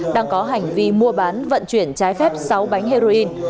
đang có hành vi mua bán vận chuyển trái phép sáu bánh heroin